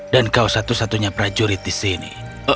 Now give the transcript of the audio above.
kau satu satunya prajurit di sini